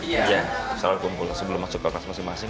iya selalu kumpul sebelum masuk ke kelas masing masing